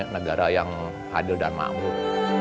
negara yang hadil dan mamuk